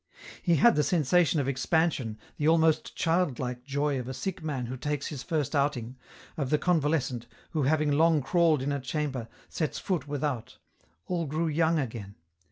EN ROUTE. 257 He had the sensation of expansion, the almost childlike joy of a sick man who takes his first outing, of the conva lescent, who having long crawled in a chamber, sets foot without ; all grew young again.